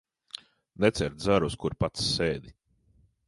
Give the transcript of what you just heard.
Necērt zaru, uz kura pats sēdi.